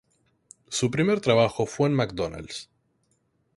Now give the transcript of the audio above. Su primer trabajo fue en McDonald's.